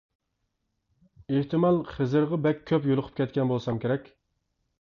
ئېھتىمال خىزىرغا بەك كۆپ يولۇقۇپ كەتكەن بولسام كېرەك.